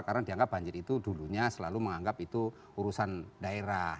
karena dianggap banjir itu dulunya selalu menganggap itu urusan daerah